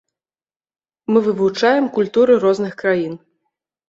Мы вывучаем культуры розных краін.